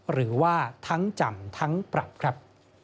หรือว่าทั้งจำทั้งปรับครับ